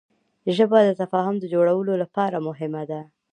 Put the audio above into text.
ژبه د تفاهم د جوړولو لپاره مهمه ده